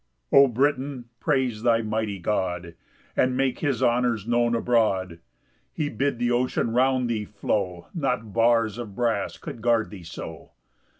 1 O Britain, praise thy mighty God, And make his honours known abroad, He bid the ocean round thee flow; Not bars of brass could guard thee so.